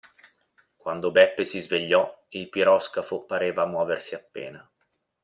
Quando Beppe si svegliò, il piroscafo pareva muoversi appena.